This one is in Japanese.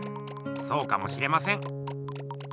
そうかもしれません。